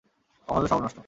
অভাবে স্বভাব নষ্ট।